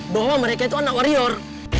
bahwa mereka itu anak warrior